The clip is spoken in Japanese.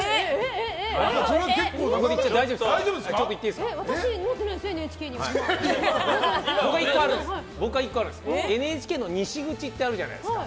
大丈夫ですか？